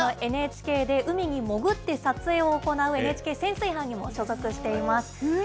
私はＮＨＫで海に潜って撮影を行う、ＮＨＫ潜水班にも所属しています。